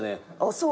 そう？